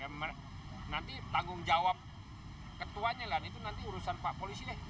nanti tanggung jawab ketuanya itu nanti urusan pak polisi